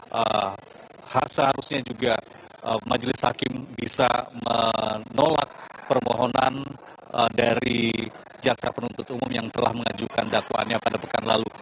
seharusnya juga majelis hakim bisa menolak permohonan dari jaksa penuntut umum yang telah mengajukan dakwaannya pada pekan lalu